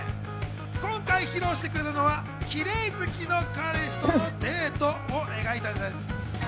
今回披露してくれたのはキレイ好きの彼氏とのデートを描いたネタです。